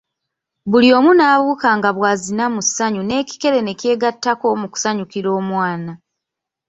Buli omu n'abuuka nga bwe bazina musanyu n'ekikere ne kyegatako mu kusanyukira omwana.